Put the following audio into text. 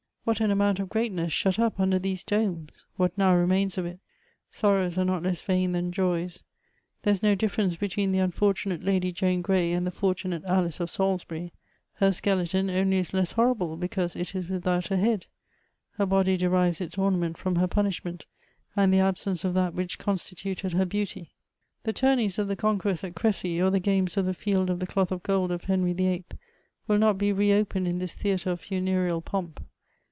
What an amount of greatness shut up mider these domes ! What now remains of it ? Sorrows are not less vain than joys ; there is no difference between the unfortunate Lady Jane Grey and the fortunate Alice of Salisbury ; her skeleton only is less horrible because it is without a head ; her body deriyes its ornament firom her punishment^ and the absence of that which constituted her beauty. The toumays of ihe con querors at Cressy, or the games of the Field oJF the Cloth of Gold of Henry VlII. will not be re opened in this theatre of funereal pomp.